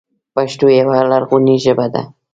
پښتو یوه لرغونې ژبه ده.